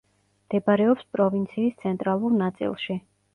მდებარეობს პროვინციის ცენტრალურ ნაწილში.